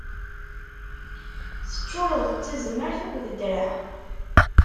Teččuṛeḍ d tazmert akked ddreɛ.